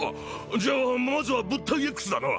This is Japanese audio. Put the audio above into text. じゃあまずは物体Ｘだな！